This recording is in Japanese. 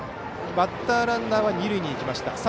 バッターランナーは二塁に行きました。